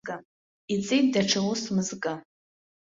Иҵит даҽа ус мызкы.